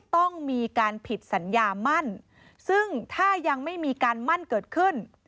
ต้องมีการผิดสัญญามั่นซึ่งถ้ายังไม่มีการมั่นเกิดขึ้น